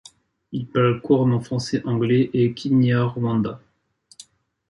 Il parle couramment français, anglais et kinyarwanda.